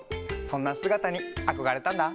そんなすがたにあこがれたんだ。